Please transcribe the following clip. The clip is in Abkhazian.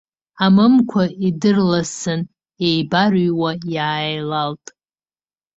Амымқәа идырласын, еибарыҩуа иааилалт.